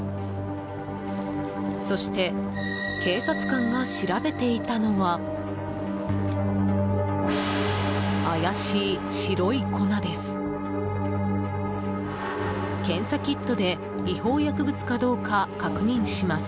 そして、警察官が調べていたのは怪しい白い粉です。